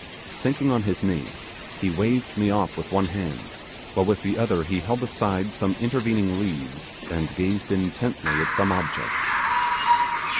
Sinking on his knee, he waved me off with one hand, while with the other he held aside some intervening leaves, and gazed intently at some object.